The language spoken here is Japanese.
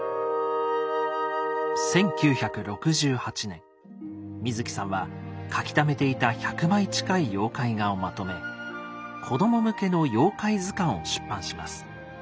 １９６８年水木さんは描きためていた１００枚近い妖怪画をまとめ子供向けの妖怪図鑑を出版します。